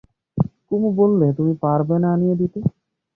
কুমু বললে, তুমি পারবে না আনিয়ে দিতে।